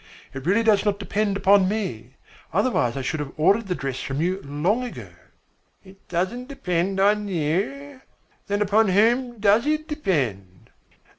It really does not depend upon me, otherwise I should have ordered the dress from you long ago." "It doesn't depend upon you? Then upon whom does it depend?"